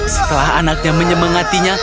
setelah anaknya menyemangatinya